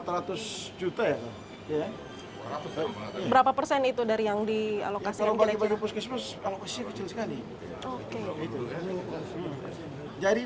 kalau balik balik puskesmas alokasinya kecil sekali